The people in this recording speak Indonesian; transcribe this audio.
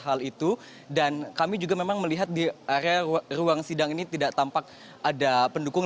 hal itu dan kami juga memang melihat di area ruang sidang ini tidak tampak ada pendukung